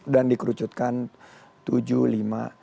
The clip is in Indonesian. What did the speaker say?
dan dikerucutkan tujuh lima